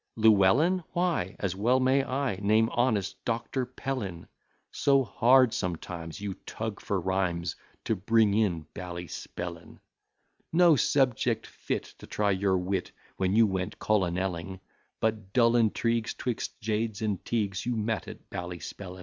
Llewellyn why? As well may I Name honest Doctor Pellin; So hard sometimes you tug for rhymes, To bring in Ballyspellin. No subject fit to try your wit, When you went colonelling: But dull intrigues 'twixt jades and teagues, You met at Ballyspellin.